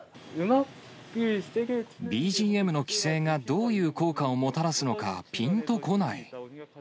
ＢＧＭの規制がどういう効果をもたらすのかぴんとこない。